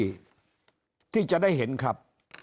ที่จะได้เห็นครับ